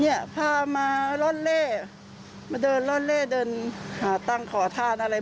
พามาร่อนเล่มาเดินล่อนเล่เดินหาตังค์ขอทานอะไร